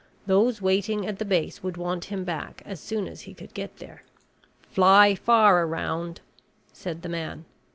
Those waiting at the base would want him back as soon as he could get there. "Fly far around," said the man.